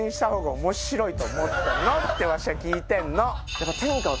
ってわしは聞いてんの。